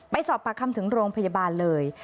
ไปสอบปากคำถึงโรงพยาบาลเลย